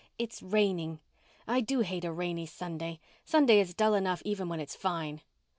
"It's raining. I do hate a rainy Sunday. Sunday is dull enough even when it's fine."